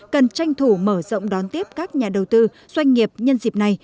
cần tranh thủ mở rộng đón tiếp các nhà đầu tư doanh nghiệp nhân dịp này